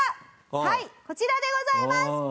はいこちらでございます！